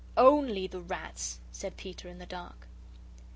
"ONLY the rats!" said Peter, in the dark.